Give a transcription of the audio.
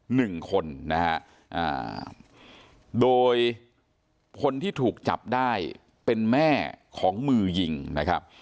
หนึ่งคนนะฮะอ่าโดยคนที่ถูกจับได้เป็นแม่ของมือยิงนะครับ